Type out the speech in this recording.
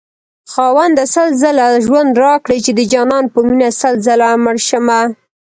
خاونده سل ځله ژوند راكړې چې دجانان په مينه سل ځله مړشمه